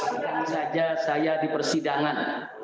tidak bisa saja saya di persidangan